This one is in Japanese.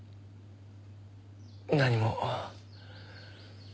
何も。